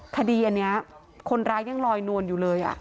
คดีอันนี้คนร้ายยังลอยนวลอยู่เลย